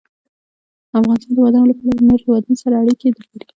افغانستان د بادام له پلوه له نورو هېوادونو سره اړیکې لري.